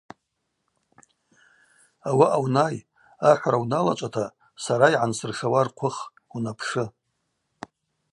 Ауаъа унай, ахӏвра уналачӏвата сара йгӏансыршауа рхъвых, унапшы.